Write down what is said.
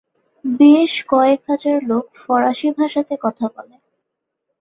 বেশ কয়েক হাজার লোক ফরাসি ভাষাতে কথা বলে।